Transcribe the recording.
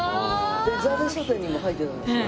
『ザ・ベストテン』にも入ってたんですよ。